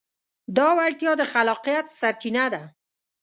دا وړتیا د خلاقیت سرچینه ده.